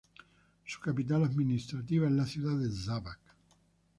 Su capital administrativa es la ciudad de Šabac.